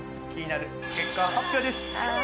気になる結果発表です。